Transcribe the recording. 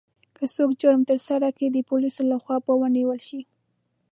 که څوک جرم ترسره کړي، د پولیسو لخوا به ونیول شي.